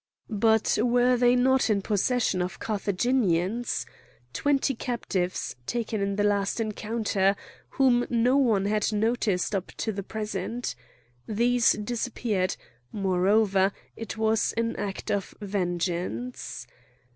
But were they not in possession of Carthaginians—twenty captives taken in the last encounter, whom no one had noticed up to the present? These disappeared; moreover, it was an act of vengeance.